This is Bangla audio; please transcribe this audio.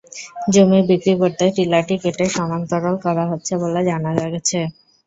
জমি বিক্রি করতে টিলাটি কেটে সমান্তরাল করা হচ্ছে বলে জানা গেছে।